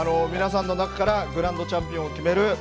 皆さんの中からグランドチャンピオンを決める